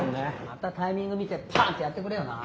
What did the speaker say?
またタイミング見て「パン！」ってやってくれよな。